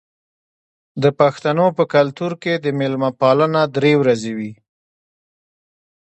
د پښتنو په کلتور کې د میلمه پالنه درې ورځې وي.